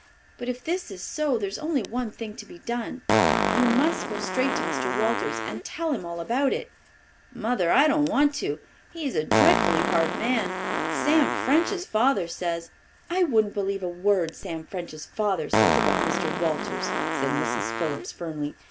But if this is so, there's only one thing to be done. You must go straight to Mr. Walters and tell him all about it." "Mother, I don't dare to. He is a dreadfully hard man. Sam French's father says " "I wouldn't believe a word Sam French's father says about Mr. Walters!" said Mrs. Phillips firmly.